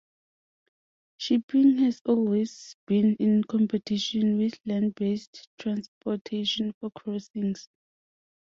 Shipping has always been in competition with land-based transportation for crossings.